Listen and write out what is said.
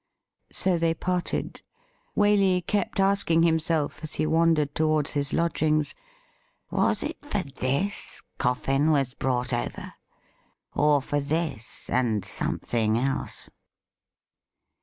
So they parted. Waley kept asking himself, as he wandered towards his lodgings :' Was it for this Coffin was brought over ? Or for this and something else